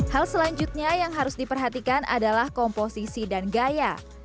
hal selanjutnya yang harus diperhatikan adalah komposisi dan gaya